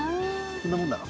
こんなもんだろ。